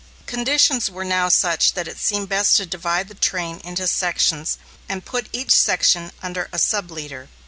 Conditions now were such that it seemed best to divide the train into sections and put each section under a sub leader.